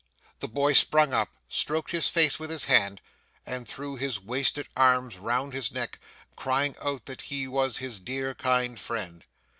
The boy sprung up, stroked his face with his hand, and threw his wasted arms round his neck, crying out that he was his dear kind friend.